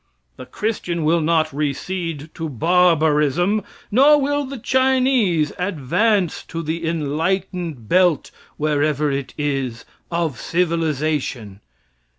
The Christian will not recede to barbarism, nor will the Chinese advance to the enlightened belt [wherever it is] of civilization....